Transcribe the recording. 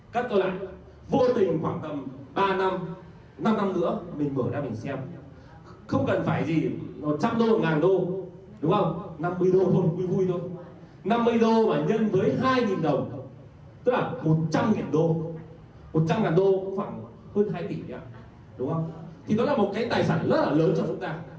không cần phải gì một trăm linh đô một đô đúng không năm mươi đô không vui vui thôi năm mươi đô mà nhân với hai đồng tức là một trăm linh đô một trăm linh đô cũng khoảng hơn hai tỷ nhé đúng không thì đó là một cái tài sản rất là lớn cho chúng ta